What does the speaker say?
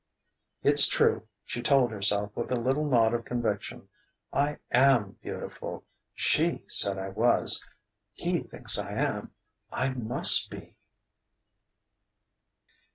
"It's true," she told herself with a little nod of conviction; "I am beautiful. She said I was ... he thinks I am ... I must be...."